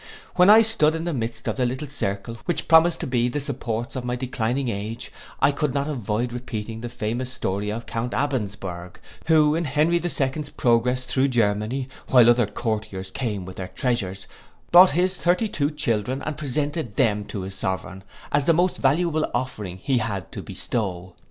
When I stood in the midst of the little circle, which promised to be the supports of my declining age, I could not avoid repeating the famous story of Count Abensberg, who, in Henry II's progress through Germany, while other courtiers came with their treasures, brought his thirty two children, and presented them to his sovereign as the most valuable offering he had to bestow.